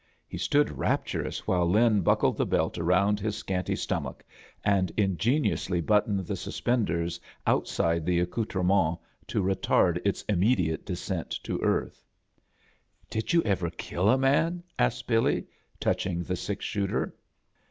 He stood rapturous while Lin buckled the belt round his scanty stomach, and ingeniously buttoned the suspenders outside the accoutrement to retard its immediate descent to earth. "Did it ever kill a man?" asked BiUy, touching the six shooter.